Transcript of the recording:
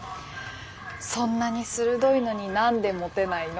そんなに鋭いのに何でモテないの？